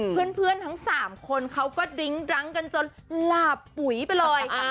เพื่อนทั้ง๓คนเขาก็ดริ้งดรั้งกันจนหลาบปุ๋ยไปเลย